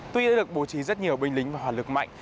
tuy đã được bố trí rất nhiều binh lính và hỏa lực mạnh